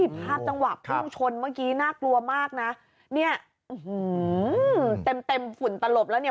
ภาพจังหวะพุ่งชนเมื่อกี้น่ากลัวมากนะเนี่ยเต็มเต็มฝุ่นตลบแล้วเนี่ย